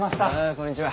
こんにちは。